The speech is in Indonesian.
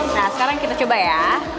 nah sekarang kita coba ya